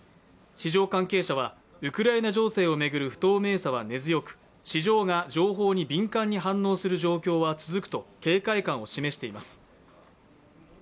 市場関係者はウクライナ情勢を巡る透明さは根強く市場が情報に敏感に反応する状況は続くと警戒感を示しています。